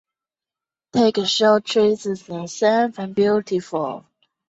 张福兴出生于竹南郡头分庄。